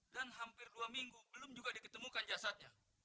dan hampir dua minggu belum juga diketemukan jasadnya